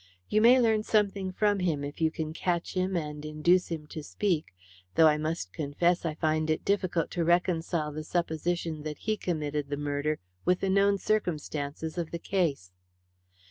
You may learn something from him if you can catch him and induce him to speak, though I must confess I find it difficult to reconcile the supposition that he committed the murder with the known circumstances of the case."